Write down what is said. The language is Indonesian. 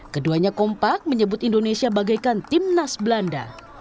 keduanya kompak menyebut indonesia bagaikan timnas belanda